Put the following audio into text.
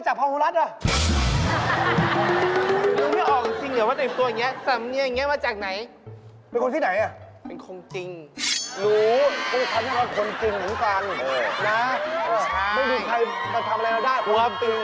การแต่งตัวอย่างนี้เห็นไหม